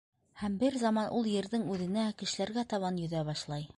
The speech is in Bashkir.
Һәм бер заман ул Ерҙең үҙенә, кешеләргә табан йөҙә башлай...